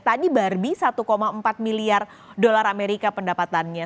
tadi barbie satu empat miliar dolar amerika pendapatannya